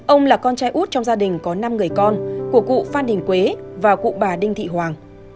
ông là con trai út trong gia đình có năm người con của cụ phan đình quế và cụ bà đinh thị hoàng